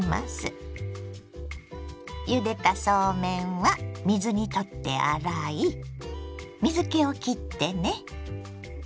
ゆでたそうめんは水にとって洗い水けをきってね。